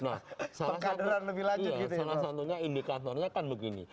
nah salah satunya indikatornya kan begini